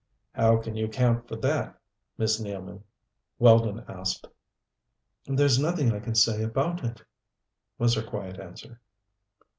"How can you account for that, Miss Nealman?" Weldon asked. "There's nothing I can say about it," was her quiet answer.